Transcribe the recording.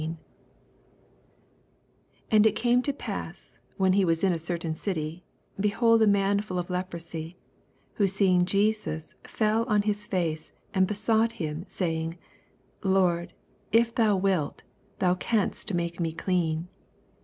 12 And it came to pass, when ho was in a certain dty, oehold a man fbJl of leprosy : who seeing Jesus fell mihii fiu», and 'besought him, saying^ LUKE V. 12—16. Lord, if thou wilt, thou canst mflse me clean.